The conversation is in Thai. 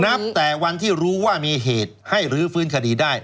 แต่วันที่รู้ว่ามีเหตุให้รื้อฟื้นคดีได้